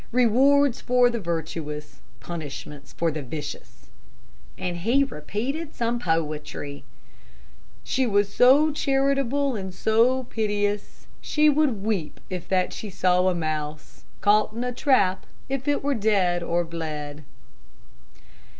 Rewards for the virtuous, punishments for the vicious," and he repeated some poetry: "She was so charitable and so piteous, She would weep if that she saw a mouse Caught in a trap, if it were dead or bled."